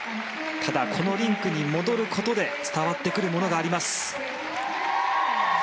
ただ、このリンクに戻ることで伝わってくるものがあります。